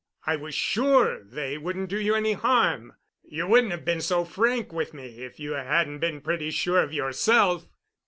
"I was sure they wouldn't do you any harm. You wouldn't have been so frank with me if you hadn't been pretty sure of yourself."